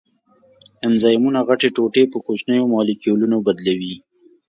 انزایمونه غټې ټوټې په کوچنیو مالیکولونو بدلوي.